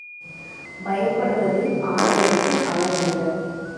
பயப்படுவது ஆண்களுக்கு அழகல்ல.